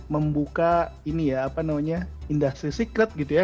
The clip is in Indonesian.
membuka ini ya apa namanya industri secret gitu ya